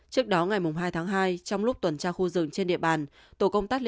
trước đó ngày hai tháng hai trong lúc tuần tra khu rừng trên địa bàn